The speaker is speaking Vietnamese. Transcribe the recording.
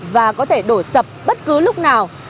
và có thể đổ sập bất cứ lúc nào